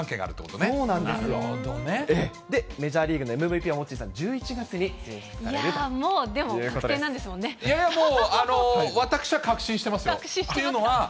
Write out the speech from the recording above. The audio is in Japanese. で、メジャーリーグのＭＶＰはモッチーさん、１１月に選出されるということです。